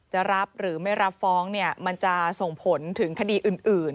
รับหรือไม่รับฟ้องเนี่ยมันจะส่งผลถึงคดีอื่น